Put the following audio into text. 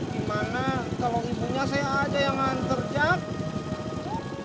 gimana kalau ibunya saya aja yang nganter jak